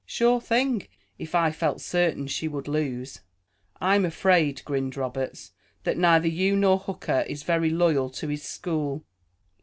"Sure thing, if I felt certain she would lose." "I'm afraid," grinned Roberts, "that neither you nor Hooker is very loyal to his school."